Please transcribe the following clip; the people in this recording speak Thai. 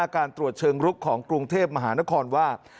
การตรวจเชิงลุกของกรุงเทพมหานครว่า